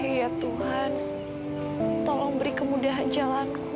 ya tuhan tolong beri kemudahan jalan